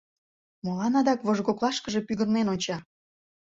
Молан адак вожгоклашкыже пӱгырнен онча?